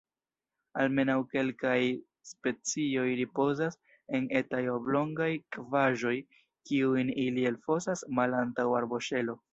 Almenaŭ kelkaj specioj ripozas en etaj oblongaj kavaĵoj kiujn ili elfosas malantaŭ arboŝelo.